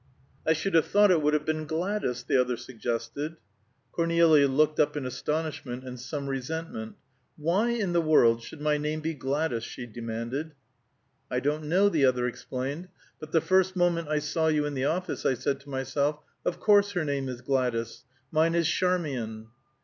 "I should have thought it would have been Gladys," the other suggested. Cornelia looked up in astonishment and some resentment. "Why in the world should my name be Gladys?" she demanded. "I don't know," the other explained. "But the first moment I saw you in the office, I said to myself, 'Of course her name is Gladys.' Mine is Charmian."